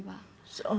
そう。